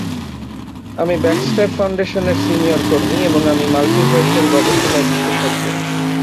আমি ব্যাক্সটার ফাউন্ডেশনের সিনিয়র কর্মী, এবং আমি মাল্টিভার্সাল গবেষণায় বিশেষজ্ঞ।